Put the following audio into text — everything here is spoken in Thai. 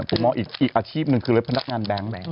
ผมมองอีกอาชีพหนึ่งคือรถพนักงานแบงค์